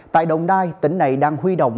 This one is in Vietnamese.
tại đồng nai tỉnh này đang huy động